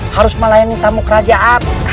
harus melayani tamu kerajaan